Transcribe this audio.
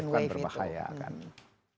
second wave kan berbahaya kan